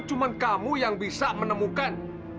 cuma kamu yang bisa menemukan